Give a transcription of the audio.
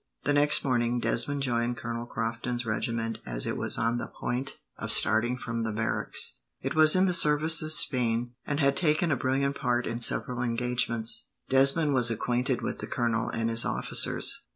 The next morning, Desmond joined Colonel Crofton's regiment as it was on the point of starting from the barracks. It was in the service of Spain, and had taken a brilliant part in several engagements. Desmond was acquainted with the colonel and his officers.